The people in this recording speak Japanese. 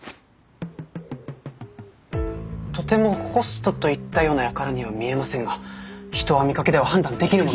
とてもホストといったような輩には見えませんが人は見かけでは判断できぬもの。